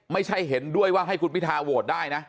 ไม่ใช่เห็นด้วยว่าให้คุณพิทาโหวตได้นะ